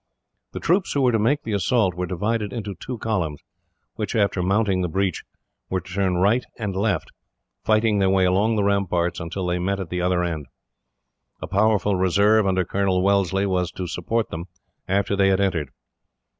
The troops who were to make the assault were divided into two columns which, after mounting the breach, were to turn right and left, fighting their way along the ramparts until they met at the other end. A powerful reserve, under Colonel Wellesley, was to support them after they had entered.